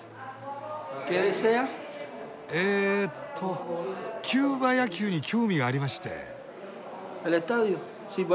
えっとキューバ野球に興味がありまして。